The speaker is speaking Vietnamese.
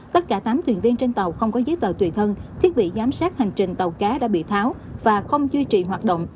tất cả tám thuyền viên trên tàu không có giấy tờ tùy thân thiết bị giám sát hành trình tàu cá đã bị tháo và không duy trì hoạt động